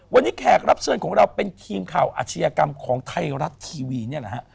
วันนี้แขกรับเชิญของเราเป็นทีมข่าวอาชญากรรมของไทยรัฐทีวีนี่แหละฮะ